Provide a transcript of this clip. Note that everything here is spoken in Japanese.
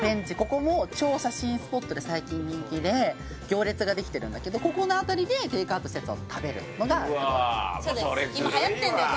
ここも超写真スポットで最近人気で行列ができてるんだけどここの辺りでテイクアウトしたやつを食べるのが今はやってんだよ